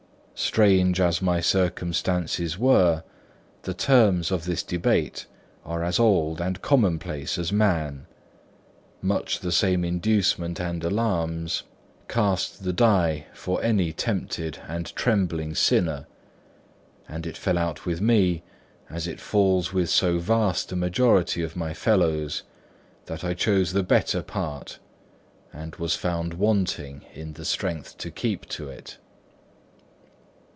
Strange as my circumstances were, the terms of this debate are as old and commonplace as man; much the same inducements and alarms cast the die for any tempted and trembling sinner; and it fell out with me, as it falls with so vast a majority of my fellows, that I chose the better part and was found wanting in the strength to keep to it.